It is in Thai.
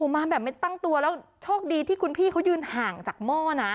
มาแบบไม่ตั้งตัวแล้วโชคดีที่คุณพี่เขายืนห่างจากหม้อนะ